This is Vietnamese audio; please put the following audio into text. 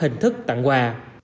hình thức tặng quà